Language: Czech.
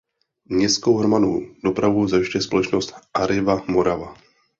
Městskou hromadnou dopravu zajišťuje společnost Arriva Morava.